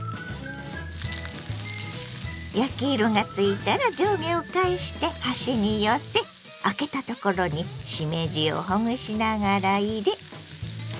焼き色がついたら上下を返して端に寄せあけたところにしめじをほぐしながら入れ。